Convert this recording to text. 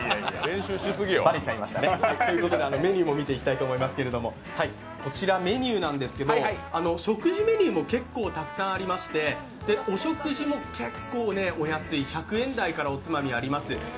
バレちゃいましたね。ということでメニューも見ていきたいと思いますけれどもこちらメニューなんですけど、食事メニューも結構たくさんありましてお食事も結構お安い、１００円台からおつまみがあります。